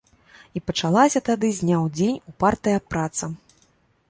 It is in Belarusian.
І пачалася тады з дня ў дзень упартая праца.